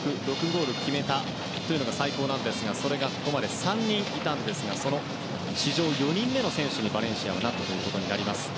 ６ゴール決めたというのが最高なんですがそれがここまで３人いたんですが史上４人目の選手にバレンシアはなっています。